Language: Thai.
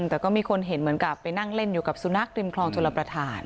แต่ก็มีคนเห็นเหมือนกับไปนั่งเล่นอยู่กับสุนัขริมคลองชลประธาน